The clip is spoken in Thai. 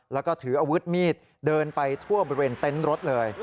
แล้วก็ถืออาวุธมีดเดินไปทั่วบริเวณเต็นต์รถเลย